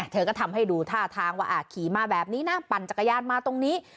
เธอก็ทำให้ดูท่าทางว่าขี่มาแบบนี้นะปั่นจักรยานมาตรงนี้